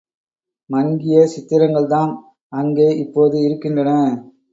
மங்கிய சித்திரங்கள்தான் அங்கே இப்போது இருக்கின்றன.